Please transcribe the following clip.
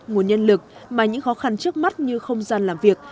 nguồn nhân lực mà những khó khăn trước mắt như không gian làm việc